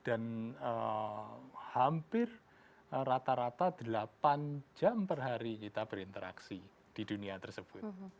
dan hampir rata rata delapan jam per hari kita berinteraksi di dunia tersebut